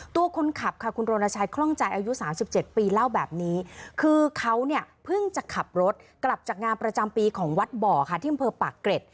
ตัวคนขับค่ะคุณโรนชัยคล่องใจอายุ๓๗ปีเล่าแบบนี้คือเขาเนี่ยเพิ่งจะขับรถกลับจากงานประจำปีของวัดบ่อค่ะที่อำเภอปากเกร็ด